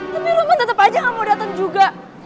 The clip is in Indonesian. tapi roman tetep aja gak mau dateng juga